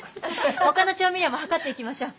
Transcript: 他の調味料も量っていきましょう。